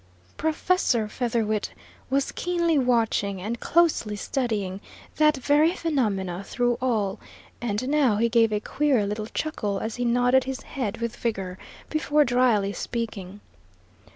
Professor Featherwit was keenly watching and closely studying that very phenomena through all, and now he gave a queer little chuckle, as he nodded his head with vigour, before dryly speaking.